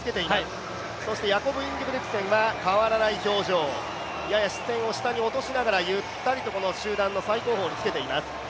そしてヤコブ・インゲブリクセンは変わらない表情、やや下に落としながらゆったりと集団の最後方につけています。